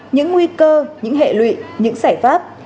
những nguy cơ những hệ lụy những sẻ pháp